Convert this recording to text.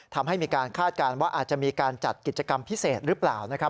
ทำให้มีการคาดการณ์ว่าอาจจะมีการจัดกิจกรรมพิเศษหรือเปล่านะครับ